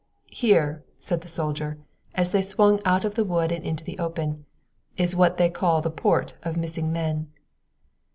"Here," said the soldier, as they swung out of the wood and into the open, "is what they call the Port of Missing Men."